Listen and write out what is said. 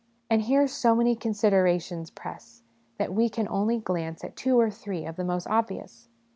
And here so many considerations press, that we can only glance at two or three of the most obvious.